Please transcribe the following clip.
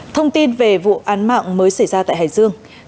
thông tin về vụ án mạng mới xảy ra tại hải dương